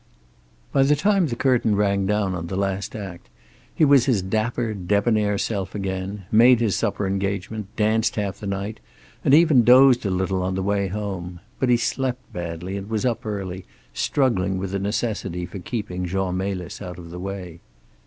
By the time the curtain rang down on the last act he was his dapper, debonair self again, made his supper engagement, danced half the night, and even dozed a little on the way home. But he slept badly and was up early, struggling with the necessity for keeping Jean Melis out of the way.